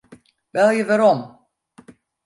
Belje werom.